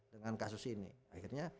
dengan kasus ini akhirnya